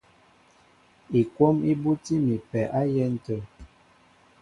Ikwɔ́m í búti mi a pɛ á yɛ̌n tə̂.